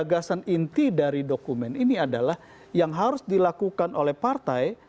gagasan inti dari dokumen ini adalah yang harus dilakukan oleh partai